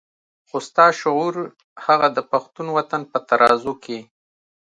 خو ستا شعور هغه د پښتون وطن په ترازو کې.